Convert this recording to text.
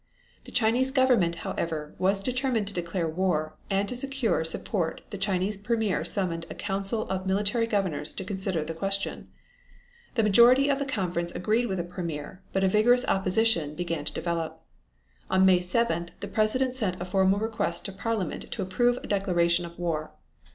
The Chinese Government, however, was determined to declare war, and to secure support the Chinese Premier summoned a council of military governors to consider the question. The majority of the conference agreed with the Premier, but a vigorous opposition began to develop. On May 7th the President sent a formal request to Parliament to approve of a declaration of war.